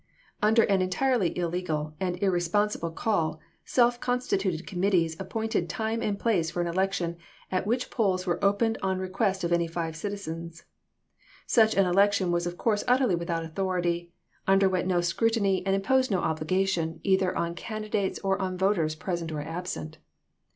Under an entirely illegal and irresponsible call self consti tuted committees appointed time and place for an election at which polls were opened on request of any five citizens. Such an election was of course utterly without authority, underwent no scrutiny TEXAS 183 and imposed no obligation, either on candidates or chap. ix. on voters present or absent.